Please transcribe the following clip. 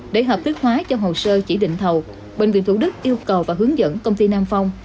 để hợp thức hóa cho hồ sơ chỉ định thầu bệnh viện thủ đức yêu cầu và hướng dẫn công ty nam phong